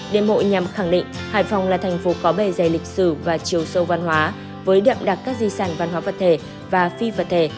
đêm hội nhằm khẳng định hải phòng là thành phố có bề dày lịch sử và chiều sâu văn hóa với đậm đặc các di sản văn hóa vật thể và phi vật thể